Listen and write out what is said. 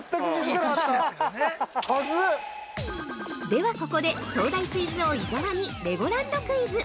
では、ここで東大クイズ王・伊沢にレゴランドクイズ。